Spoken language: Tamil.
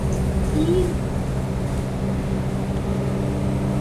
சீர்தூக்கும் கோல் என்றார்.